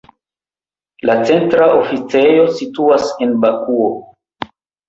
La centra oficejo situas en Bakuo.